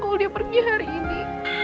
kalau dia pergi hari ini